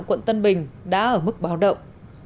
quận tân bình đã ở mức báo động